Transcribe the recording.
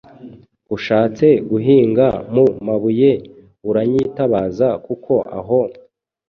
Ushatse guhinga mu mabuye aranyitabaza kuko aho